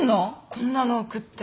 こんなの送って。